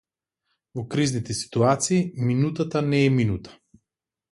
Во кризните ситуации минутата не е минута.